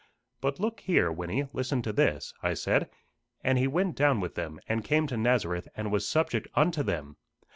"But look here, Wynnie; listen to this," I said, "'And he went down with them, and came to Nazareth, and was subject unto them.